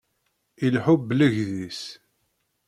Ileḥḥu bellegdis.